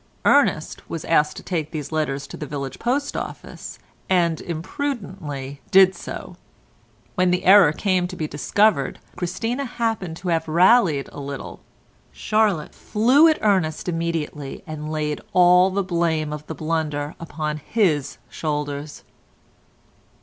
Ernest was asked to take these letters to the village post office, and imprudently did so; when the error came to be discovered Christina happened to have rallied a little. Charlotte flew at Ernest immediately, and laid all the blame of the blunder upon his shoulders.